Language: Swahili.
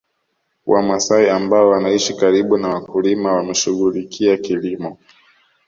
Wamasai ambao wanaishi karibu na wakulima wameshughulikia kilimo